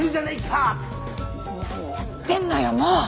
何やってんのよ？もうっ。